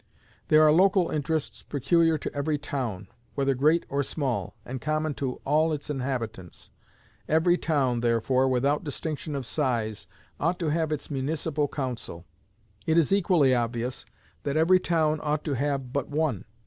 There are local interests peculiar to every town, whether great or small, and common to all its inhabitants; every town, therefore, without distinction of size, ought to have its municipal council. It is equally obvious that every town ought to have but one.